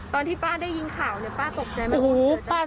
ตอนที่ป้าได้ยินข่าวเนี่ยป้าตกใจไหม